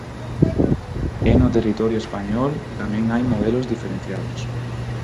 E no territorio español tamén hai modelos diferenciados.